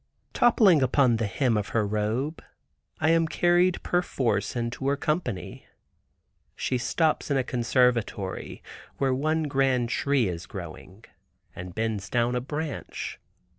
Toppling upon the hem of her robe, I am carried perforce in her company. She stops in a conservatory, where one grand tree is growing, and bends down a branch.